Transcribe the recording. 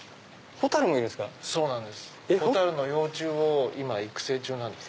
ホタルの幼虫を育成中なんです。